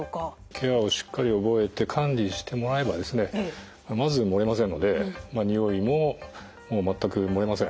ケアをしっかり覚えて管理してもらえばですねまず漏れませんので臭いも全く漏れません。